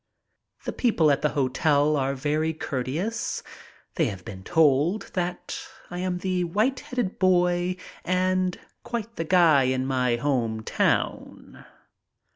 The people at the hotel are very courteous. They have been told that I am the "white headed boy and quite the guy in my home town."